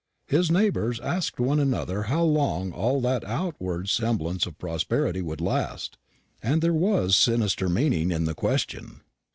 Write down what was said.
His neighbours asked one another how long all that outward semblance of prosperity would last; and there was sinister meaning in the question.